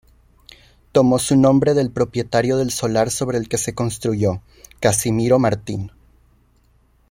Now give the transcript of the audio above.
Tomó su nombre del propietario del solar sobre el que se construyó, Casimiro Martín.